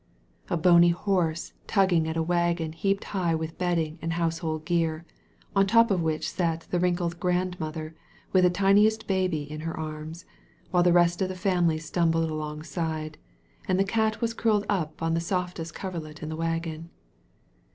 A bony horse tugging at a wagon heaped high with bedding and household gear, on top of which sat the wrinkled grandmother with the tini est baby in her arms, while the rest of the family stumbled alongside — ^and the cat was curled up on the softest coverlet in the wagon.